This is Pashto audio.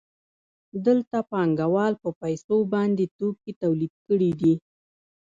دلته پانګوال په پیسو باندې توکي تولید کړي دي